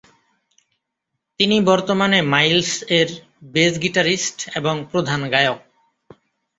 তিনি বর্তমানে মাইলস এর বেজ গিটারিস্ট এবং প্রধান গায়ক।